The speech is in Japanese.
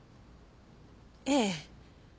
ええ。